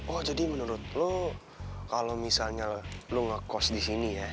oh jadi menurut lo kalo misalnya lo ngekos di sini ya